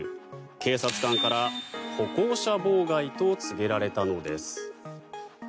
警察官から歩行者妨害と告げられたのです。